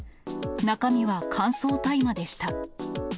中身は乾燥大麻でした。